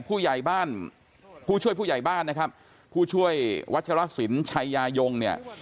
ผู้ใหญ่บ้านผู้ช่วยผู้ใหญ่บ้านนะครับผู้ช่วยวัชรสินชัยยายงเนี่ย